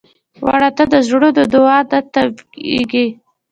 مړه ته د زړونو دعا نه تمېږي